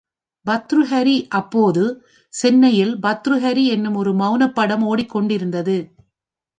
பர்த்ருஹரி அப்போது சென்னையில் பர்த்ருஹரி என்னும் ஒரு மெளனப்படம் ஒடிக்கொண்டிருந்தது.